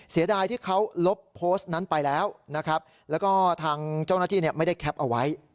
เสียดายที่เขาลบโพสต์นั้นไปแล้วนะครับแล้วก็ทางเจ้าหน้าที่ไม่ได้แคปเอาไว้